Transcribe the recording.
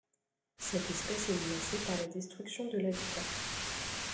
Cette espèce est menacée par la destruction de l'habitat.